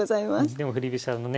でも振り飛車のね